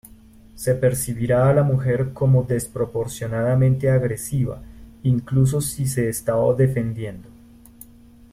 Se percibirá a la mujer como desproporcionadamente agresiva incluso si se está defendiendo.